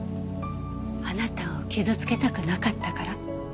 あなたを傷つけたくなかったから。